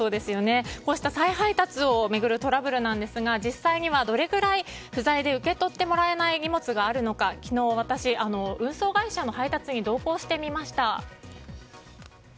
こうした再配達を巡るトラブルですが実際にはどれくらい不在で受け取ってもらえない荷物があるのか昨日、私、運送会社の配達に同行してみました。